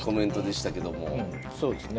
そうですね。